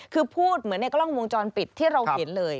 คือพูดเหมือนในกล้องวงจรปิดที่เราเห็นเลย